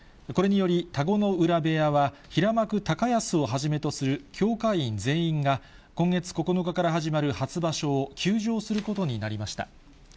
これにより、田子ノ浦部屋は平幕・高安をはじめとする強化委員全員が、今月９日から始まる初場所を休場することになりました。